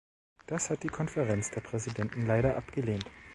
Das hat die Konferenz der Präsidenten leider abgelehnt.